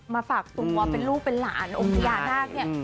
ฝากตัวเป็นลูกเป็นหลานองค์พญานาคเนี่ย